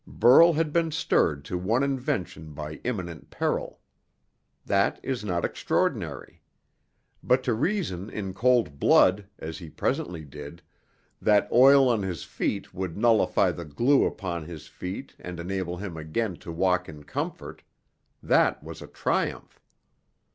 Burl had been stirred to one invention by imminent peril. That is not extraordinary. But to reason in cold blood, as he presently did, that oil on his feet would nullify the glue upon his feet and enable him again to walk in comfort that was a triumph.